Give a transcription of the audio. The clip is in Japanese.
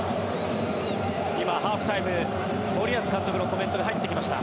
今、ハーフタイム森保監督のコメントが入ってきました。